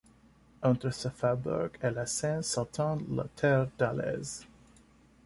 Entre ce faubourg et la Seine s'étend la terre d'Alez.